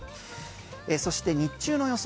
そして日中の予想